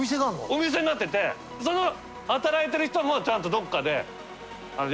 お店になっててその働いてる人もちゃんとどっかでやってるんですよ。